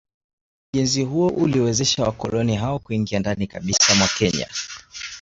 Ujenzi huo uliwezesha wakoloni hao kuingia ndani kabisa mwa Kenya